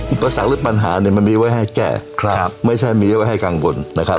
อุปสรรคหรือปัญหาเนี่ยมันมีไว้ให้แก้ครับไม่ใช่มีไว้ให้กังวลนะครับ